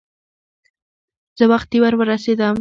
زه وختي ور ورسېدم.